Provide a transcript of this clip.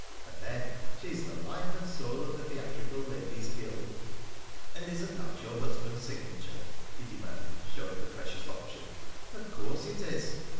And then she's the life and soul of the Theatrical Ladies' Guild." "And isn't that your husband's signature?" he demanded, showing the precious option. "Of course it is."